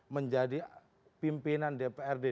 menjadi pimpinan dprd